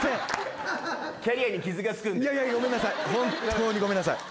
本当にごめんなさい。